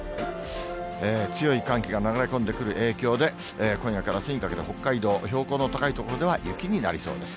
強い寒気が流れ込んでくる影響で、今夜からあすにかけて、北海道、標高の高い所では雪になりそうです。